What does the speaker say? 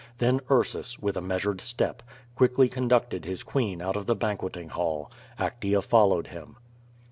Then Ursus, with a measured step, quietly conducted his queen out of the banqueting hall. Actea followed him.